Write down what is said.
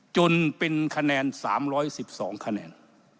จนเป็นคะแนน๓๑๒คะแนน